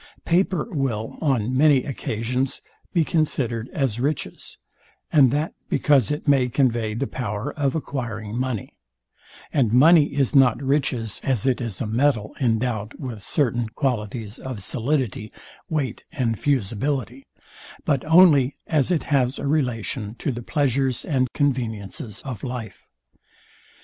Paper will, on many occasions, be considered as riches, and that because it may convey the power of acquiring money: And money is not riches, as it is a metal endowed with certain qualities of solidity, weight and fusibility; but only as it has a relation to the pleasures and conveniences of life.